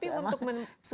tapi untuk menurut saya